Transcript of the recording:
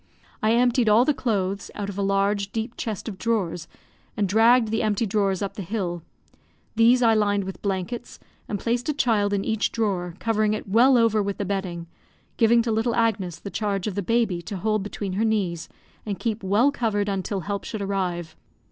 I emptied all the clothes out of a large, deep chest of drawers, and dragged the empty drawers up the hill; these I lined with blankets, and placed a child in each drawer, covering it well over with the bedding, giving to little Agnes the charge of the baby to hold between her knees, and keep well covered until help should arrive.